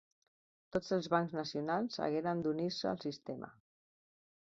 Tots els bancs nacionals hagueren d'unir-se al sistema.